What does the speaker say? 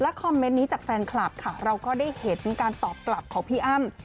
คอมเมนต์นี้จากแฟนคลับค่ะเราก็ได้เห็นการตอบกลับของพี่อ้ำ